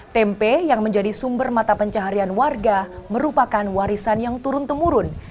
tempe yang menjadi sumber mata pencaharian warga merupakan warisan yang turun temurun